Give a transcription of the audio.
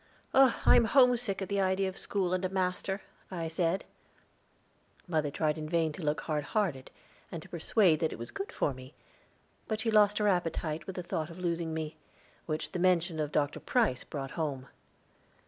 "Oh, I am homesick at the idea of school and a master," I said. Mother tried in vain to look hard hearted, and to persuade that it was good for me, but she lost her appetite, with the thought of losing me, which the mention of Dr. Price brought home.